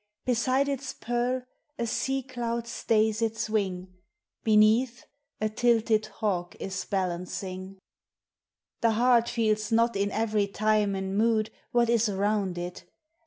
Beside its pearl a sea cloud stays its wing, Beneath, a tilted hawk is balancing. 236 POEMS OF NATURE. The heart feels not in every time and mood What is around it.